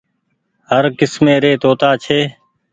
هر ڪسمي ري توتآ ڇي۔